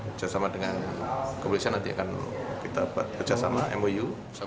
bersama dengan komunisnya nanti akan kita bekerja sama mou